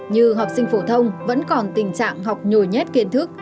như học sinh phổ thông vẫn còn tình trạng học nhồi nhét kiến thức